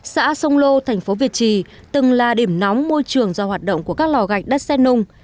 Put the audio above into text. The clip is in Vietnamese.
xã sông lô thành phố việt trì từng là điểm nóng môi trường do hoạt động của các lò gạch đất xét nung